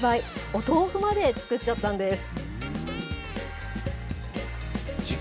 お豆腐まで作っちゃったんです。